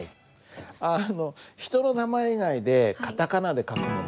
人の名前以外でカタカナで書くもの。